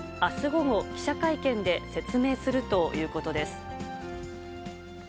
午後、記者会見で説明するということです。